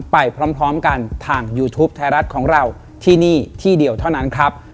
ไปพร้อมกันทางยูทูปไทยรัฐของเราที่นี่ที่เดียวเท่านั้นครับ